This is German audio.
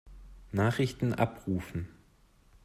Nachrichten abrufen.